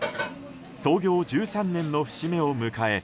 創業１３年の節目を迎え